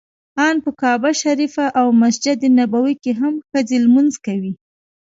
ان په کعبه شریفه او مسجد نبوي کې هم ښځې لمونځ کوي.